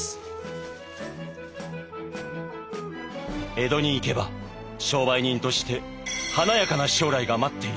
「江戸に行けば商売人として華やかな将来が待っている」。